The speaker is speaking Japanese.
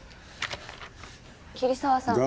桐沢さん。